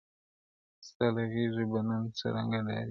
ستاله غېږي به نن څرنګه ډارېږم-